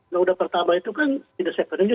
undang undang pertama itu kan tidak sepenuhnya